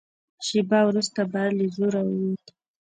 شېبه وروسته باد له زوره ووت.